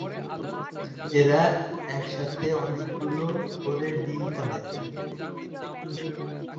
এরা একসাথে অনেকগুলি করে ডিম পাড়ে।